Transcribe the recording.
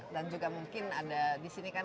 dan juga mungkin ada disini kan